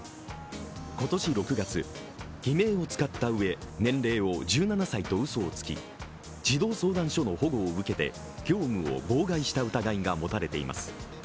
今年６月、偽名を使ったうえ、年齢を１７歳とうそをつき、児童相談所の保護を受けて業務を妨害した疑いが持たれています。